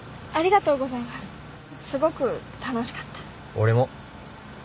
俺も。